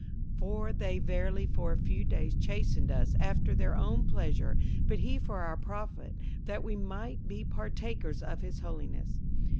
58:012:010 For they verily for a few days chastened us after their own pleasure; but he for our profit, that we might be partakers of his holiness.